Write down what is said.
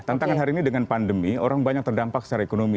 tantangan hari ini dengan pandemi orang banyak terdampak secara ekonomi